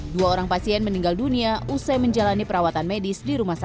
dua orang pasien meninggal dunia usai menjalani perawatan medis